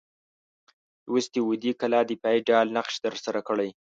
لوستي وو دې کلا دفاعي ډال نقش ترسره کړی.